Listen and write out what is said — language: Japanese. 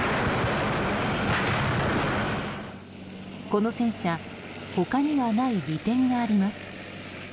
この戦車他にはない利点があります。